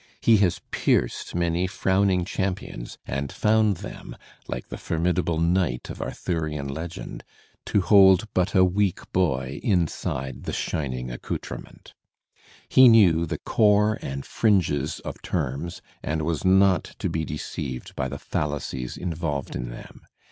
He has pierced many frowning Digitized by Google WILLIAM JAMES 305 cliampions and found them, like the formidable knight of Arthurian legend, to hold but a weak boy inside the shining accoutrement. He knew the core and fringes of terms and was not to be deceived by the fallacies involved in them.